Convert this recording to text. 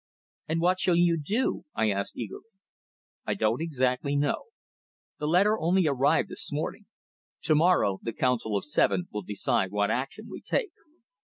"And what shall you do?" I asked eagerly. "I don't exactly know. The letter only arrived this morning. To morrow the Council of Seven will decide what action we take."